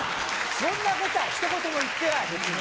そんなことはひと言も言ってない、別に。